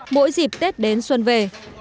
mỗi dịp tết đến xuân về